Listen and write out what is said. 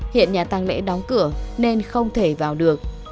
hiện nhà tăng lễ đóng cửa nên không thể vào được